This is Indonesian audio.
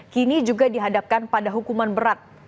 kini juga dihadapkan pada hukuman berat